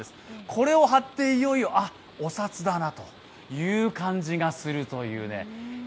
これを貼っていよいよあっ、お札だなという感じがするというね。